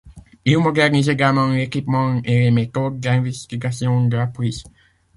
Il modernise également l'équipement et les méthodes d’investigation de la police.